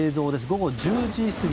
午後１０時過ぎ。